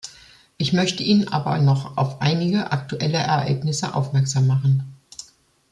Ich möchte ihn aber noch auf einige aktuelle Ereignisse aufmerksam machen.